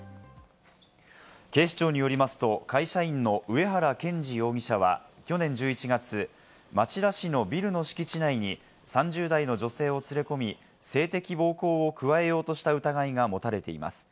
警視庁によりますと、会社員の上原健慈容疑者は去年１１月、町田市のビルの敷地内に３０代の女性を連れ込み、性的暴行を加えようとした疑いが持たれています。